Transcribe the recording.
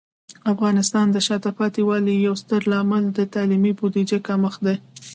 د افغانستان د شاته پاتې والي یو ستر عامل د تعلیمي بودیجه کمښت دی.